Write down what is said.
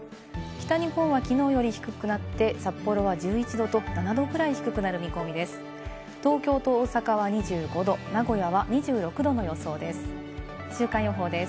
北日本はきのうより低くなって、札幌は１１度と７度ぐらい低くなる見込みです。